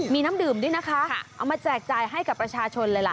มีน้ำดื่มด้วยนะคะเอามาแจกจ่ายให้กับประชาชนเลยล่ะ